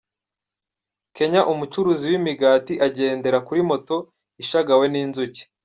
Kenya umucuruzi w’imigati agendera kuri moto ishagawe n’inzuki .